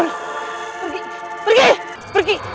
kenapa gue jadi merinding ya